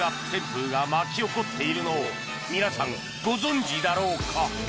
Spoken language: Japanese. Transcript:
旋風が巻き起こっているのを皆さんご存じだろうか？